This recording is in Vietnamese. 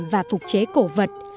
và phục chế cổ vật